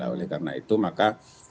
oleh karena itu maka